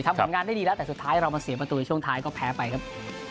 ผลงานได้ดีแล้วแต่สุดท้ายเรามาเสียประตูในช่วงท้ายก็แพ้ไปครับ